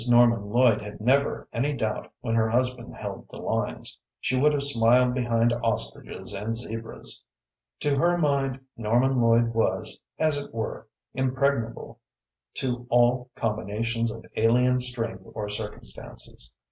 Norman Lloyd had never any doubt when her husband held the lines. She would have smiled behind ostriches and zebras. To her mind Norman Lloyd was, as it were, impregnable to all combinations of alien strength or circumstances.